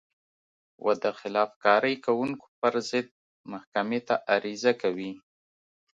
و د خلاف کارۍ کوونکو پر ضد محکمې ته عریضه کوي.